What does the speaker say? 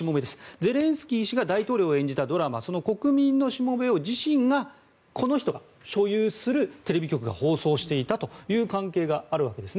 ゼレンスキー大統領が大統領を演じたドラマその「国民のしもべ」を自身が、この人が所有するテレビ局が放送していたという関係があるわけですね。